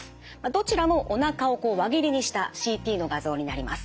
どちらもおなかを輪切りにしたＣＴの画像になります。